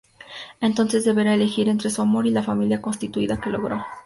Entonces deberá elegir entre su amor y la familia constituida que logró.